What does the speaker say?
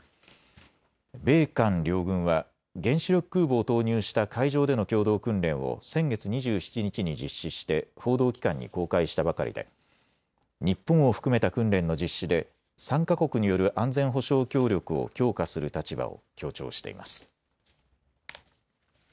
米韓両軍は原子力空母を投入した海上での共同訓練を先月２７日に実施して報道機関に公開したばかりで日本を含めた訓練の実施で３か国による安全保障協力を強化する立場を強調しています。